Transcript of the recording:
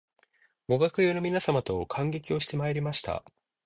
ご学友の皆様と観劇をしてまいりました